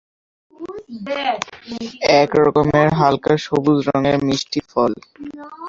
এক রকমের হালকা সবুজ রঙের মিষ্টি ফল।